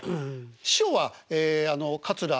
師匠は桂。